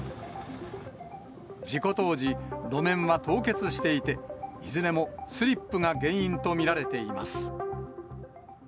事故当時、路面は凍結していて、いずれもスリップが原因と見られています。